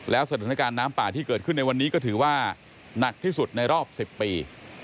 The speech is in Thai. แล้วสถานการณ์น้ำป่าที่เกิดขึ้นในวันนี้ก็ถือว่าหนักที่สุดในรอบ๑๐ปี